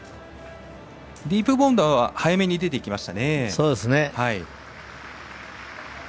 ディープボンドは早めに出ていきましたね。